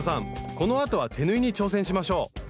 このあとは手縫いに挑戦しましょう！